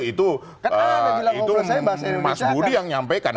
itu mas budi yang nyampaikan